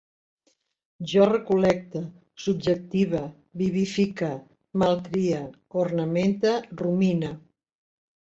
Jo recol·lecte, subjective, vivifique, malcrie, ornamente, rumine